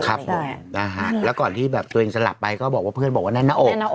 ครับผมแล้วก่อนที่ตัวเองสลับไปก็บอกว่าเพื่อนบอกว่านั่นหน้าโอ๊ก